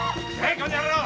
この野郎！